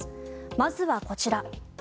まずはこちら。